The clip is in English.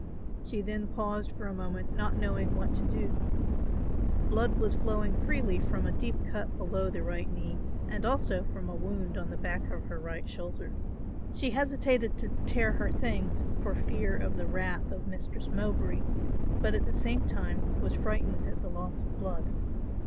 She then paused for a moment not knowing what to do. Blood was flowing freely from a deep cut below the right knee and also from a wound on the back of her right shoulder. She hesitated to tear her things for fear of the wrath of Mistress Mowbray, but at the same time was frightened at the loss of blood.